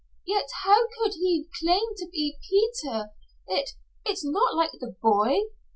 Yet how could he claim to be Peter it it's not like the boy.